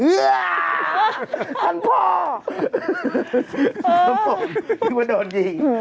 ครับผมพี่หนุ่มว่าโดนจริง